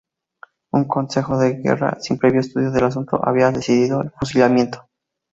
Un concejo de guerra sin previo estudio del asunto, había decidido el fusilamiento.